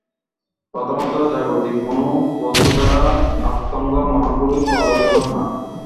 প্রথমত জাগতিক কোন বস্তু দ্বারা আত্মজ্ঞ মহাপুরুষ প্রভাবিত হন না।